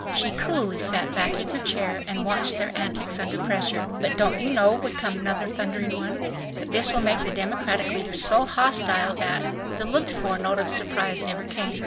She coolly sat back in her chair and watched their antics under pressure. "But don't you know," would come another thundering one, "that this will make the Democratic leaders so hostile that ..." The looked for note of surprise never came.